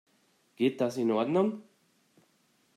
Geht das in Ordnung?